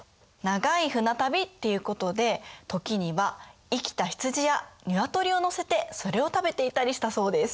長い船旅っていうことで時には生きた羊や鶏を乗せてそれを食べていたりしたそうです。